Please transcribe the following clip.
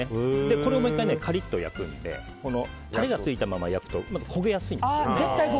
これをもう１回カリッと焼くのでタレがついたまま焼くとまず焦げやすいんです。